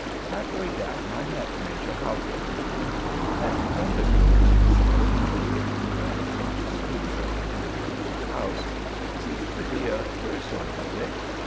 Half way down I met Major Halkit. "That friend of yours," he said, indicating the unconscious figure at the further end of the house, "seems to be a queer sort of a Dick.